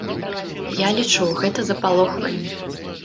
Я лічу, гэта запалохванне.